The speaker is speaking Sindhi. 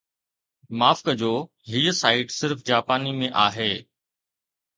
معاف ڪجو هي سائيٽ صرف جاپاني ۾ آهي